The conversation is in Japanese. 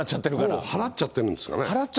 もう、払っちゃってるんですかね。